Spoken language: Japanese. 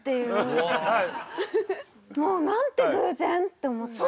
もうなんて偶然！って思って。